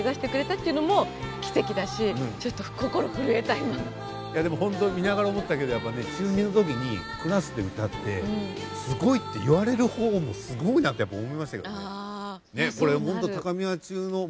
いやでも本当見ながら思ったけどやっぱね中２の時にクラスで歌ってすごいって言われる方もすごいなってやっぱ思いましたけどね。